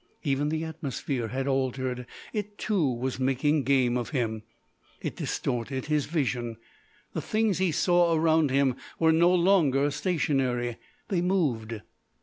Even the atmosphere had altered it, too, was making game of him. It distorted his vision. The things he saw around him were no longer stationary they moved.